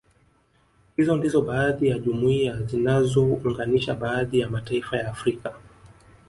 Hizo ndizo baadhi ya jumuiya zinazounganisha baadhi ya mataifa ya Afrika